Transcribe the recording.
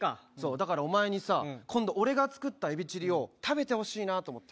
だからお前にさ、今度俺が作ったエビチリを食べてほしいなと思って。